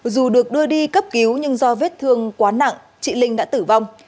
dù được đưa đi cấp cứu nhưng do vết thương quá nặng chị linh đã tử vong